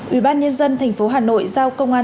ủy ban nhân dân thành phố hà nội giao công an